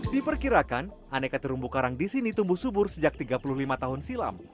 diperkirakan aneka terumbu karang di sini tumbuh subur sejak tiga puluh lima tahun silam